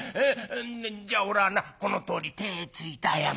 じゃおらはなこのとおり手ぇついて謝るだ。